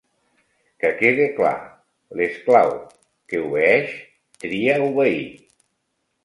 Que quede clar: l'esclau que obeeix tria obeir.